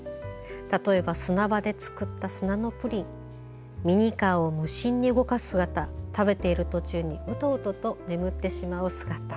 例えば、砂場で作った砂のプリンミニカーを無心に動かす姿食べている途中にうとうとと眠ってしまう姿。